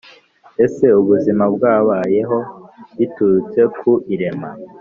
Ese ubuzima bwabayeho biturutse ku irema?